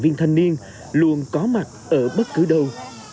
vẫn thăng là một cán bộ đoàn